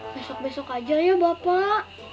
besok besok aja ya bapak